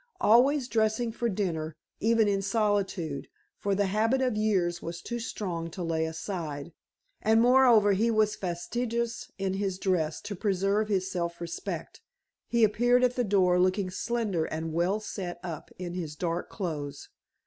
Always dressing for dinner, even in solitude, for the habit of years was too strong to lay aside and, moreover, he was fastidious in his dress to preserve his self respect he appeared at the door looking slender and well set up in his dark clothes.